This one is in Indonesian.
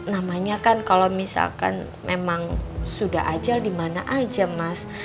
namanya kan kalau misalkan memang sudah ajal dimana aja mas